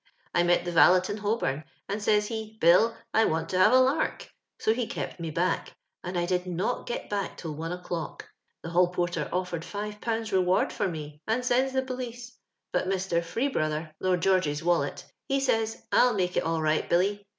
I met the vaUet in Holbom, and says he, ' Bill, I want to have a lark,' so he kept me back, and I did not get back till one o'clock. The hall porter ofiered 5/. reword for me, and sends the police ; but Mr. Freebrother, Lord George's wallet, he says, * I'll mfdce it all right, Billy.'